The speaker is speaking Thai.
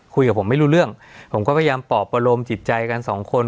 คุยกับผมไม่รู้เรื่องผมก็พยายามปอบประโลมจิตใจกันสองคน